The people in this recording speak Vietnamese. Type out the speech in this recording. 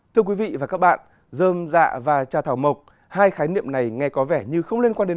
thưa quý vị và các bạn dơm dạ và trà thảo mộc hai khái niệm này nghe có vẻ như không liên quan đến